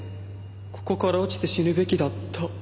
ここから落ちて死ぬべきだった。